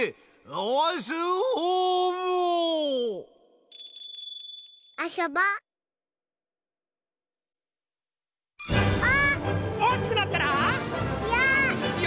おおきくなったら！よ！